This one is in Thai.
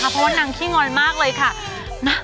เพราะว่านางขี้งอยมากเลยค่ะ